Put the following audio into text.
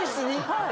はい。